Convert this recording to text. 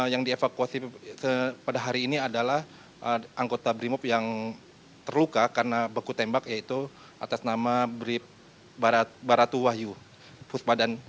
yang dievakuasi pada hari ini adalah anggota brimop yang terluka karena beku tembak yaitu atas nama baratu wahyu